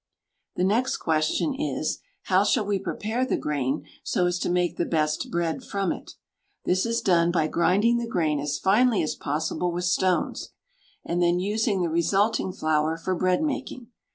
The next question is, how shall we prepare the grain so as to make the best bread from it? This is done by grinding the grain as finely as possible with stones, and then using the resulting flour for bread making.